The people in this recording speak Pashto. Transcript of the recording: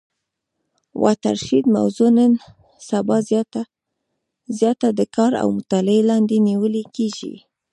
واټر شید موضوع نن سبا زیاته د کار او مطالعې لاندي نیول کیږي.